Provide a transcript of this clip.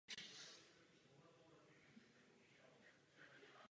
Od působení Judy Tadeáše a Bartoloměje odvozuje svůj vznik Arménská apoštolská církev.